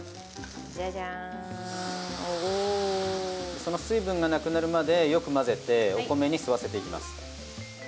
その水分がなくなるまでよく混ぜてお米に吸わせていきます。